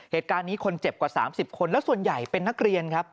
เหตุการณ์นี้คนเจ็บกว่า๓๐คนแล้วส่วนใหญ่เป็นนักเรียนครับ